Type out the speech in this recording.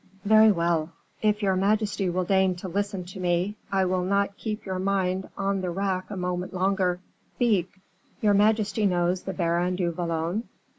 "Very well; if your majesty will deign to listen to me, I will not keep your mind on the rack a moment longer." "Speak." "Your majesty knows the Baron du Vallon?"